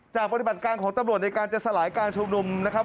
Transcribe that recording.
ปฏิบัติการของตำรวจในการจะสลายการชุมนุมนะครับ